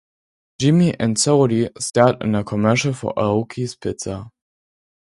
Jimmy and Sody starred in a commercial for Aoki's Pizza.